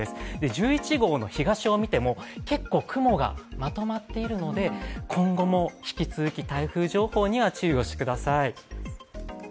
１１号の東を見ても、結構、雲がまとまっているので今後も引き続き台風情報には注意をしてください。